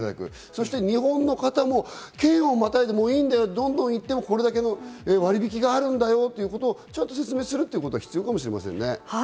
そして日本の方も県をまたいでもいいんだよ、どんどん言っても、これだけの割引があるんだよということをちゃんと説明するということは必要かもしれませんね。